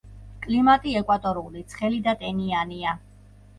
კლიმატი ეკვატორული, ცხელი და ტენიანია.